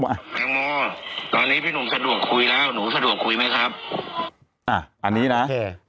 แตงโมตอนนี้พี่หนุ่มสะดวกคุยแล้วหนูสะดวกคุยไหมครับอ่ะอันนี้นะโอเค